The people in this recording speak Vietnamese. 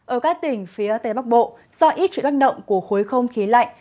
ở các tỉnh phía tây bắc bộ do ít sự gắt động của khối không khí lạnh